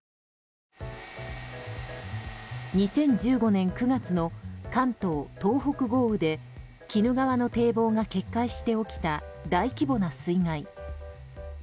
２０１５年９月の関東・東北豪雨で鬼怒川の堤防が決壊して起きた大規模な水害。